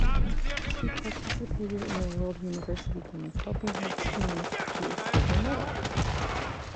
She participated in the World University Games, helping her team to a silver medal.